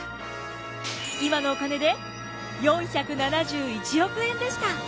今のお金で４７１億円でした。